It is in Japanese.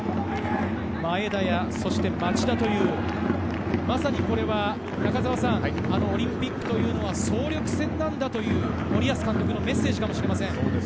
前田や町田というオリンピックというのは総力戦なんだという森保監督のメッセージかもしれません。